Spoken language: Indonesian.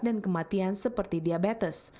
dan kematian seperti diabetes